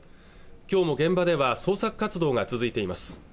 今日も現場では捜索活動が続いています